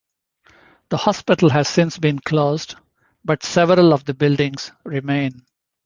The hospital has since been closed, but several of the buildings remain.